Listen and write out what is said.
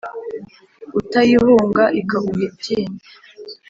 Utayihunga ikaguha iryinyo.